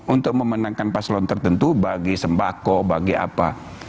untuk memenangkan paslon tertentu bagi sembako bagi apa